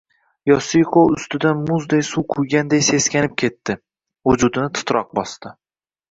Yosiko ustidan muzday suv quyganday seskanib ketdi, vujudini titroq bosdi